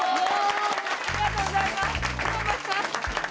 ありがとうございます。